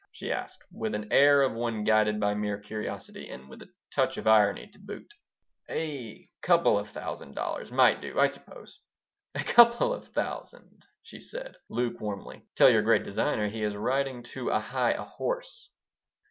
she asked, with an air of one guided by mere curiosity, and with a touch of irony to boot "A couple of thousand dollars might do, I suppose." "A couple of thousand!" she said, lukewarmly. "Tell your great designer he is riding too high a horse."